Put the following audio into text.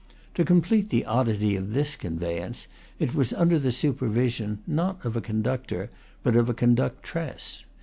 To complete the oddity of this conveyance, it was under the supervision, not of a conductor, but of a conductress.